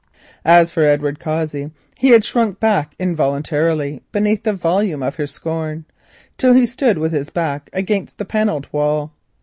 As for Edward Cossey, he had shrunk back involuntarily beneath the volume of her scorn, till he stood with his back against the panelled wall.